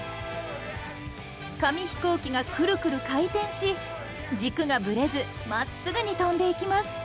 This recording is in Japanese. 紙飛行機がくるくる回転し軸がぶれずまっすぐに飛んでいきます。